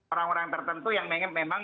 orang orang tertentu yang memang